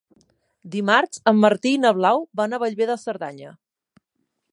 Dimarts en Martí i na Blau van a Bellver de Cerdanya.